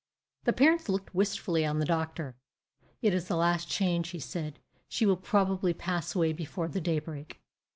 The parents looked wistfully on the doctor. "It is the last change," he said; "she will probably pass away before the daybreak."